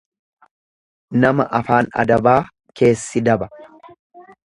Nama afaan adabaa keessi daba.